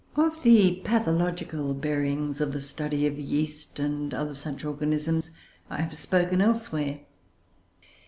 Of the pathological bearings of the study of yeast, and other such organisms, I have spoken elsewhere.